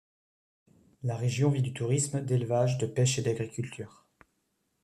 La région vit du tourisme, d'élevage, de pêche et d'agriculture.